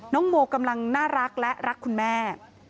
โมกำลังน่ารักและรักคุณแม่